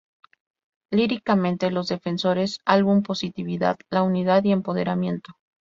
Líricamente los defensores álbum positividad, la unidad y empoderamiento.